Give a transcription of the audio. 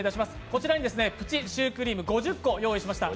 こちらにプチシュークリーム５０個用意しました。